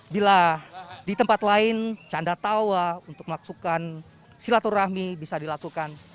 bila di tempat lain canda tawa untuk melaksukan silaturahmi bisa dilakukan